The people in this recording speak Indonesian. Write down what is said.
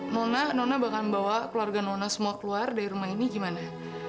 nona nona bahkan bawa keluarga nona semua keluar dari rumah ini gimana